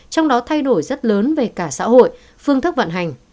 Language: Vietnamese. trong đó thay đổi rất lớn về cả xã hội phương thức vận hành